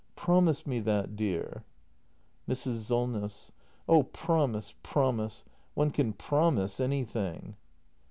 — Promise me that, dear! Mrs. Solness. Oh, promise, promise! One can promise anything.